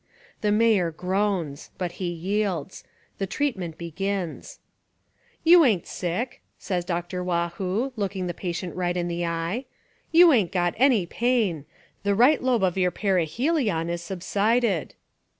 The Mayor groans. But he yields. The treatment begins. "You ain't sick," says Dr. Waugh hoo, look ing the patient right in the eye. "You ain't got any pain. The right lobe of your perihelion is subsided."